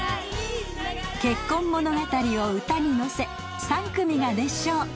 結婚物語を歌に乗せ３組が熱唱。